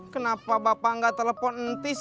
kenapa bapak engga telepon ntis